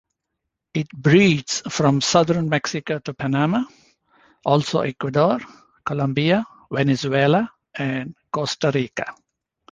It breeds from southern Mexico to Panama; also Ecuador, Colombia, Venezuela and Costa Rica.